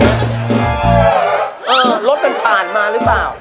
เออรถเป็นผ่านมาหรือเปล่า